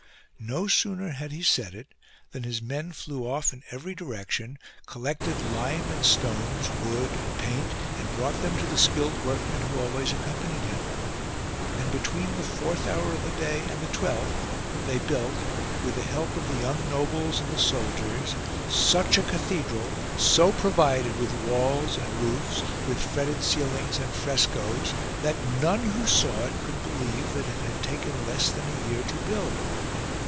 No sooner had he said it than his men flew off in every direction, collected lime and stones, wood and paint, and brought them to the skilled work men who always accompanied him. And between the fourth hour of the day and the twelfth they built, with the help of the young nobles and the soldiers, such a cathedral, so provided with walls and roofs, with fretted ceilings and frescoes, that none who saw it could believe that it had taken less than a year to build.